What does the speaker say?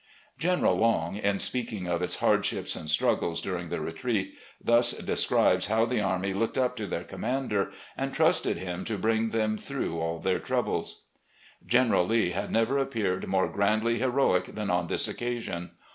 General Long, in speaking of its hardships and struggles during the retreat, thus describes how the army looked up to their commander and trusted him to bring them through all their troubles: " General Lee had never appeared more grandly heroic than on this occasion.